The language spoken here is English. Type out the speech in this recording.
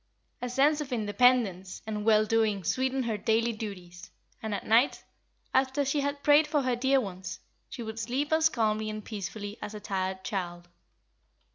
A sense of independence and well doing sweetened her daily duties, and at night, after she had prayed for her dear ones, she would sleep as calmly and peacefully as a tired child.